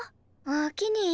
おおきに。